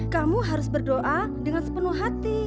kamu harus berdoa dengan sepenuh hati